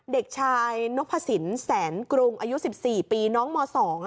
เด็กชายนพสินแสนกรุงอายุ๑๔ปีน้องม๒